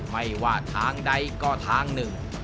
ไม่ว่าทางใดก็ทางหนึ่ง